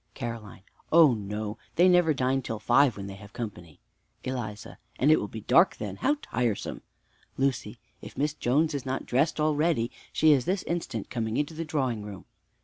Caroline. Oh, no, they never dine till five when they have company. Eliza. And it will be dark then; how tiresome! Lucy. If Miss Jones is not dressed already! She is this instant come into the drawing room.